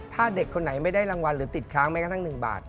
ถ้าเด็กคนไหนไม่ได้รางวัลหรือติดค้างแม้กระทั่ง๑บาท